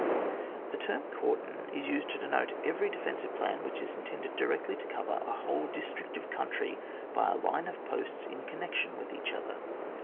The term cordon is used to denote every defensive plan which is intended directly to cover a whole district of country by a line of posts in connection with each other.